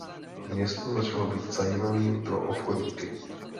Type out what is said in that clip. Město začalo být zajímavým pro obchodníky.